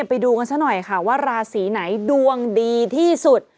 ไปดูกันซะหน่อยค่ะว่าราศีไหนดวงดีที่สุด